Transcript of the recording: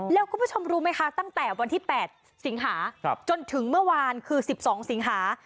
แล้วคุณผู้ชมรู้ไหมคะตั้งแต่วันที่๘สิงหาจนถึงเมื่อวานคือ๑๒สิงหา